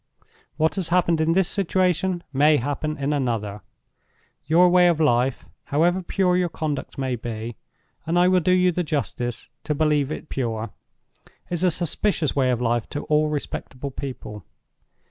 What has happened in this situation may happen in another. Your way of life, however pure your conduct may be—and I will do you the justice to believe it pure—is a suspicious way of life to all respectable people.